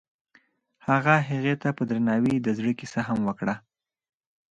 هغه هغې ته په درناوي د زړه کیسه هم وکړه.